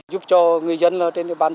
giúp cho người dân là trên địa bàn